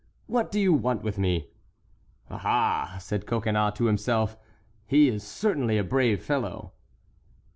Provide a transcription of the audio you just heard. What do you want with me?" "Aha!" said Coconnas to himself; "he is certainly a brave fellow!"